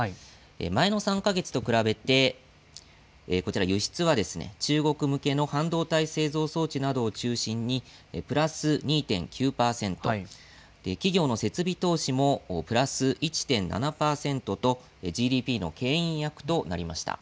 前の３か月と比べて輸出は中国向けの半導体製造装置などを中心にプラス２．９％、企業の設備投資もプラス１．７％とＧＤＰのけん引役となりました。